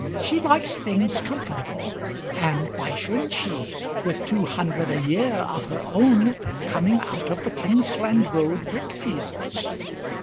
She likes things comfortable; and why shouldn't she, with two hundred a year of her own coming out of the Kingsland Road brick fields?